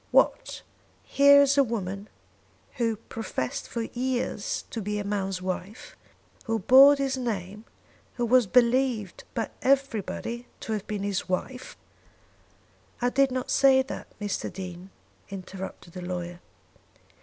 "What! Here is a woman who professed for years to be a man's wife, who bore his name, who was believed by everybody to have been his wife " "I did not say that, Mr. Dean," interrupted the lawyer.